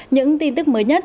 những tin tức mới nhất